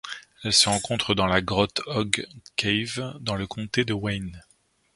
Elle se rencontre dans la grotte Hog Cave dans le comté de Wayne.